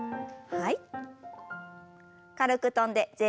はい。